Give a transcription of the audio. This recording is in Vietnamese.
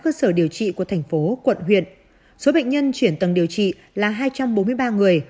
cơ sở điều trị của thành phố quận huyện số bệnh nhân chuyển tầng điều trị là hai trăm bốn mươi ba người